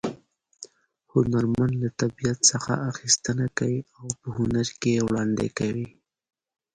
هنرمن له طبیعت څخه اخیستنه کوي او په هنر کې یې وړاندې کوي